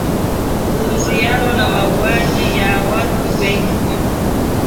kuhusiana na mauaji hayo ya watu wengi